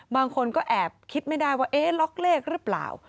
บางคนก็แอบคิดไม่ได้ว่าเอ๊ะล็อกเลขหรือเปล่า